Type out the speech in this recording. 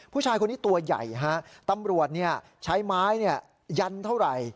ผู้ชายคนนี้ตัวใหญ่ฮะตำรวจใช้ไม้ยันเท่าไหร่